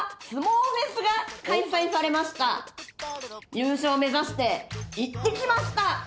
優勝目指して行ってきました。